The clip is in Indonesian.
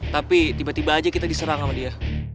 tapi tiba tiba aja kita diserang sama dia